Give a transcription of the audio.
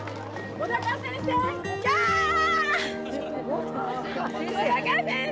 小鷹先生